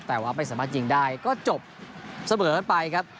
แต่ว่าไม่สามารถยิงได้ก็จบเสมอกันไปครับ